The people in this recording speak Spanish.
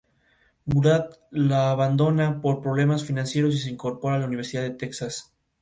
Murad la abandona por problemas financieros y se incorpora a la Universidad de Texas.